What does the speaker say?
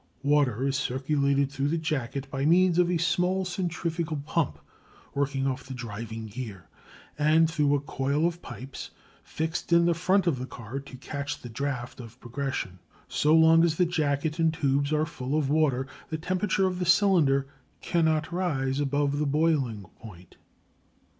Water is circulated through the jacket by means of a small centrifugal pump working off the driving gear, and through a coil of pipes fixed in the front of the car to catch the draught of progression. So long as the jacket and tubes are full of water the temperature of the cylinder cannot rise above boiling point.